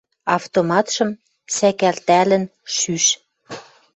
Автоматшым сӓкӓлтӓлӹн шӱш.